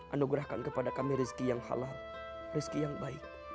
anugerahkan kepada kami rizki yang halal rezeki yang baik